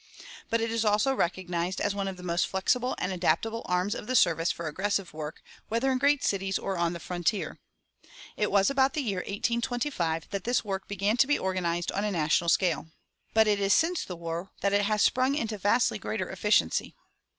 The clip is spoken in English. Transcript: But it is also recognized as one of the most flexible and adaptable "arms of the service" for aggressive work, whether in great cities or on the frontier. It was about the year 1825 that this work began to be organized on a national scale. But it is since the war that it has sprung into vastly greater efficiency.